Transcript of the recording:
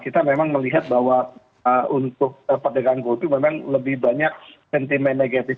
kita memang melihat bahwa untuk perdagangan go itu memang lebih banyak sentimen negatif